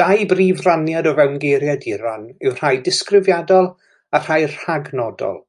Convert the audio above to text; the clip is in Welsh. Dau brif raniad o fewn geiriaduron yw rhai disgrifiadol a rhai rhagnodol.